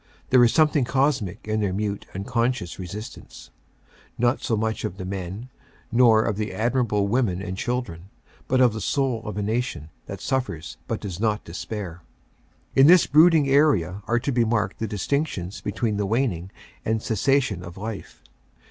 There is something cosmic in their mute unconscious resistance, not so much of the men, nor of the admirable women and children, but of the soul of a nation that suffers but does not despair. In this brooding area are to be marked the distinctions between the waning and cessation of life.